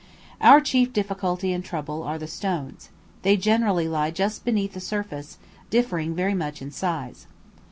Our chief difficulty and trouble are the stones; they generally lie just beneath the surface, differing very much in size.